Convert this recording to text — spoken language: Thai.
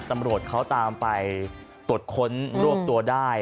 ตำรวจเขาตามไปตรวจค้นรวบตัวได้